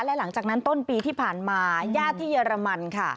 และหลังจากนั้นต้นปีที่ผ่านมาญาติที่เยอรมันค่ะ